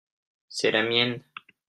c'est la mienne.